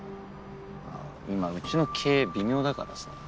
今うちの経営微妙だからさ。